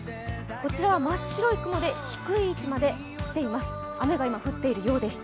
こちらは真っ白い雲で、低い位置まで来ています。